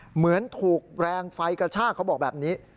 เหมือนถูกแรงไฟกระชากเขาบอกแบบนี้